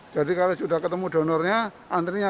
jadi kalau sudah ketemu donornya antrinya